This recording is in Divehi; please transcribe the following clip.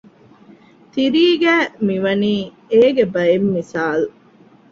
ތިރީގައި މި ވަނީ އޭގެ ބައެއް މިސާލު